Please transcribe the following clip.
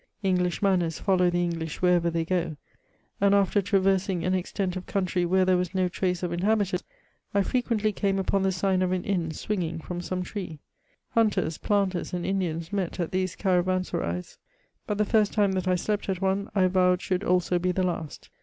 English manners follow the English wherever they go ; and after traversing an extent of country where there was no trace of in habitants, I frequently came upon the sign of an inn swinging from some tree. Hunters, planters, and Indians met at these caravanserais ; but the first time that I slept at one, I vowed should also be the last.